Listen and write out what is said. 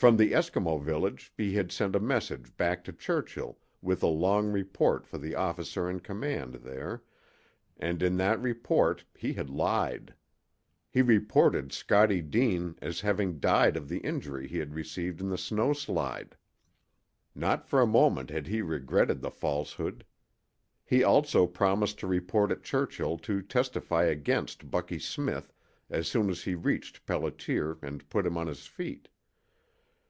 From the Eskimo village he had sent a messenger back to Churchill with a long report for the officer in command there, and in that report he had lied. He reported Scottie Deane as having died of the injury he had received in the snow slide. Not for a moment had he regretted the falsehood. He also promised to report at Churchill to testify against Bucky Smith as soon as he reached Pelliter and put him on his feet.